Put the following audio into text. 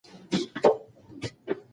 د ماشوم واکسین مه هېروئ.